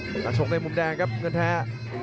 จะชงในมุมแดงครับเงินแท้